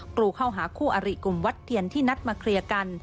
กรูเข้าหาคู่อริกลุ่มวัดเทียนที่นัดมาเคลียร์กัน